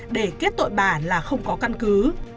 để kết tội bà là không có căn cứ